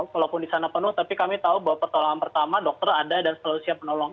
walaupun di sana penuh tapi kami tahu bahwa pertolongan pertama dokter ada dan selalu siap menolong